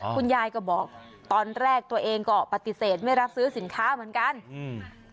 คุณยายก็บอกตอนแรกตัวเองก็ปฏิเสธไม่รับซื้อสินค้าเหมือนกันอืม